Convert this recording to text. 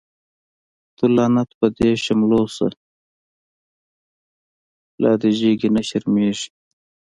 تو لعنت په دی شملو شه، لادی جگی نه شرمیږی